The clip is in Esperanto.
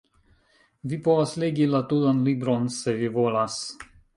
Vi povas legi la tutan libron se vi volas.